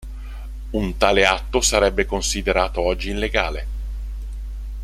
Un tale atto sarebbe considerato oggi illegale.